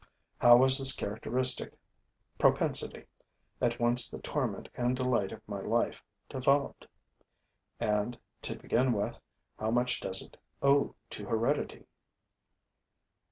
How was this characteristic propensity, at once the torment and delight of my life, developed? And, to begin with, how much does it owe to heredity?